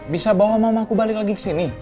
bisa bawa mama aku balik lagi kesini